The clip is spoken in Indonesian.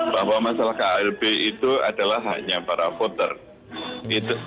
bahwa masalah klb itu adalah hanya para voter